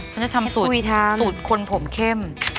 ฉันจะทำสุดสุดคนผมเข้ม